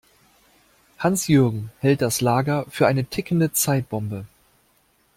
Hans-Jürgen hält das Lager für eine tickende Zeitbombe.